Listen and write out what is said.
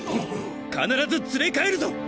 必ず連れ帰るぞ！